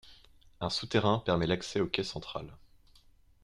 Un souterrain permet l'accès au quai central.